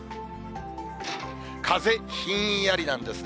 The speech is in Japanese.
風ひんやりなんですね。